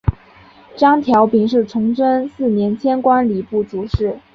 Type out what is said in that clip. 张调鼎是崇祯四年迁官礼部主事。